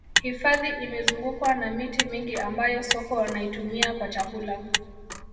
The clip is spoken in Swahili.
hifadhi imezungukwa na miti mingi ambayo sokwe wanaitumia kwa chakula